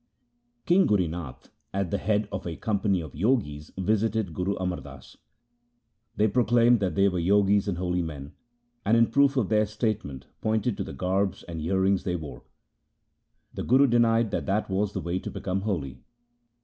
Kingurinath, at the head of a company of Jogis, visited Guru Amar Das. They proclaimed that they were Jogis and holy men, and in proof of their state ment pointed to the garbs and earrings they wore. The Guru denied that that was the way to become holy.